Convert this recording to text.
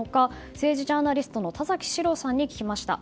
政治ジャーナリストの田崎史郎さんに聞きました。